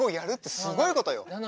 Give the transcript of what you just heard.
すごいことなの。